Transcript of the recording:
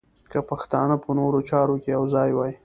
که پښتانه په نورو چارو کې یو ځای وای.